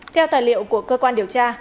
theo tài liệu của cơ quan điều tra